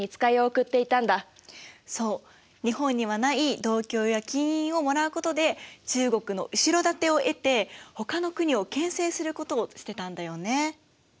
日本にはない銅鏡や金印をもらうことで中国の後ろ盾を得てほかの国をけん制することをしてたんだよね。